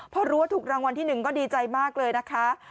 พอรู้ว่าถูกรางวัลที่๑ก็ดีใจมากเลยนะคะ